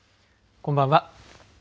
こんばんは。